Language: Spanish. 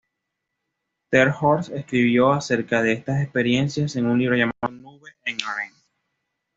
Ter Horst escribió acerca de estas experiencias en un libro llamado "Nube en Arnhem".